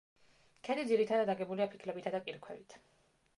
ქედი ძირითადად აგებულია ფიქლებითა და კირქვებით.